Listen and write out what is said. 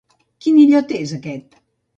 Quin illot és aquest?